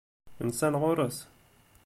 Nsan ɣur-s?